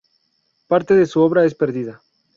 Parte de su obra es perdida.